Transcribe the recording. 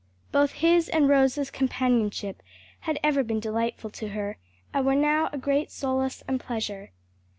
Both his and Rose's companionship had ever been delightful to her, and were now a great solace and pleasure.